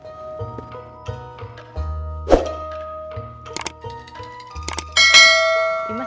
kang ada imas